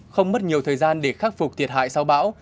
không mất nhiều thời gian để khắc phục thiệt hại sau bão